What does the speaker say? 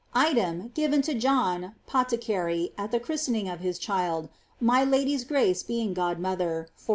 Item, giTen to John, potticarry, at the christening of his child, my lady's g^ce being ifod mother, 409.